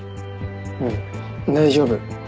うん大丈夫。